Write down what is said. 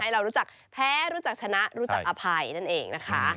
เรารู้จักแพ้รู้จักชนะรู้จักอภัยนั่นเองนะคะ